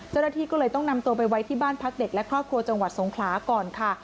เจ้าหน้าที่ก็เลยต้องนำตัวไปไว้ที่บ้านพักเด็กและครอบครัวจังหวัดสงขลาก่อนค่ะ